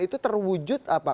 itu terwujud apa